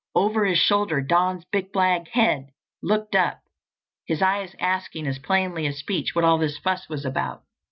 Over his shoulder Don's big black head looked up, his eyes asking as plainly as speech what all this fuss was about.